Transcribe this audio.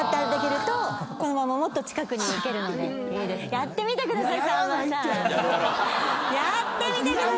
やってみてください！